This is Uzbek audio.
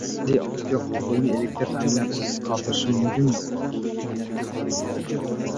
Markaziy Osiyo Qobulni elektr ta’minotisiz qoldirishi mumkinmi?